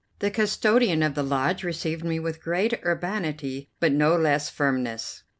The custodian of the lodge received me with great urbanity but no less firmness.